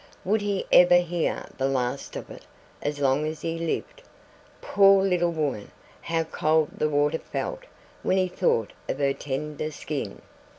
Would he ever hear the last of it as long as he lived? Poor little woman! How cold the water felt when he thought of her tender skin.